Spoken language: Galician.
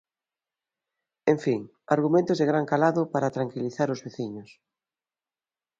En fin, argumentos de gran calado para tranquilizar os veciños.